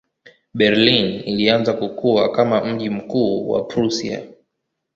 Berlin ilianza kukua kama mji mkuu wa Prussia.